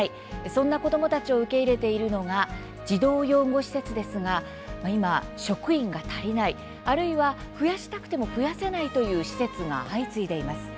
そんな子どもたちを受け入れているのが児童養護施設ですが今職員が足りないあるいは増やしたくても増やせないという施設が相次いでいます。